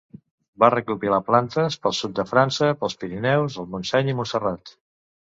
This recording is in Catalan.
Va recopilar plantes pel sud de França, pels Pirineus, el Montseny i Montserrat.